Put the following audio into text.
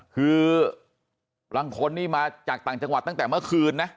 คือบางคนนี่มาจากต่างจังหวัดตั้งแต่เมื่อคืนนะ